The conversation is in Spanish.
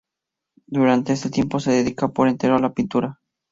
Durante este tiempo se dedica por entero a la pintura.